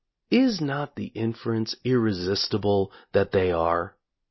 Is not the in ference irresistible that they are?